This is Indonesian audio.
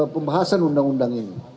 pembahasan undang undang ini